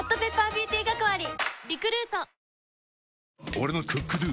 俺の「ＣｏｏｋＤｏ」！